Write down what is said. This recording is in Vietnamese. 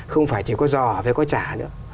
không phải chỉ có giò hay có chả nữa